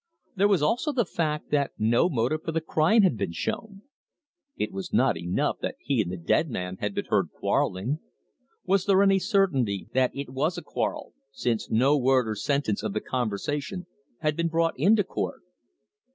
There was also the fact that no motive for the crime had been shown. It was not enough that he and the dead man had been heard quarrelling. Was there any certainty that it was a quarrel, since no word or sentence of the conversation had been brought into court?